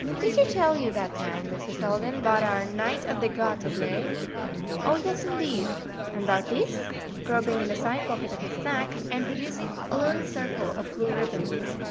"Did she tell you dat time, Mr. Selden, 'bout our Knight of de Garter day?" "Oh, yes, indeed." "And 'bout dis?" groping in the side pocket of his sacque, and producing a little circle of blue ribbon.